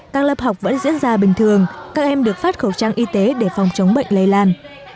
các lớp học vẫn diễn ra bình thường các em được phát khẩu trang y tế để phòng chống bệnh lây lan